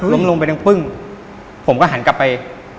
ลงไปดังปึ้งผมก็หันกลับไป